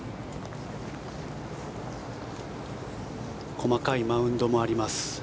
細かいマウンドもあります。